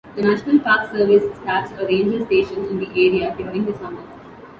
The National Park Service staffs a ranger station in the area during the summer.